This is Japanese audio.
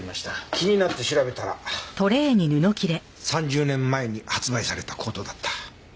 気になって調べたら３０年前に発売されたコートだった。